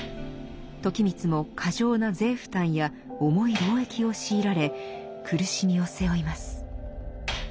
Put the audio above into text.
時光も過剰な税負担や重い労役を強いられ苦しみを背負います。